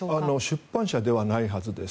出版社ではないはずです。